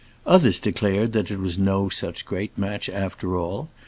Others declared that it was no such great match after all.